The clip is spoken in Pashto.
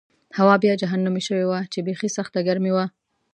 هوا بیا جهنمي شوې وه چې بېخي سخته ګرمي وه.